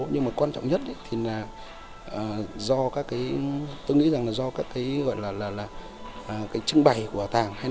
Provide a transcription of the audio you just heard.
nhưng mà quan trọng nhất thì là do các cái tôi nghĩ rằng là do các cái gọi là cái trưng bày của bảo tàng